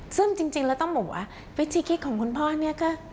ซึ่งจริงแล้วต้องบอกว่าวิธีคิดของคุณพ่อเนี่ยก็